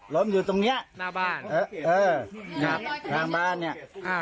ล้มอยู่ตรงเนี่ยหน้าบ้านข้างบ้านเนี่ย